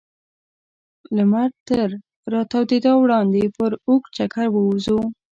لمر تر راتودېدا وړاندې پر اوږد چکر ووځو.